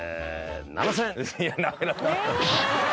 ７，０００円。